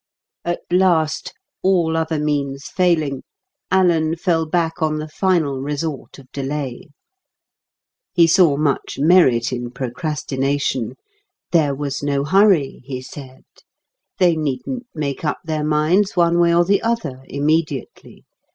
At last, all other means failing, Alan fell back on the final resort of delay. He saw much merit in procrastination. There was no hurry, he said. They needn't make up their minds, one way or the other, immediately.